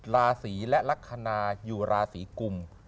ราศีและลักษณะอยู่ราศีกุม